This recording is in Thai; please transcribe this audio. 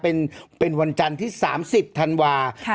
เป็นวันจันทร์ที่๓๐ธันวาคม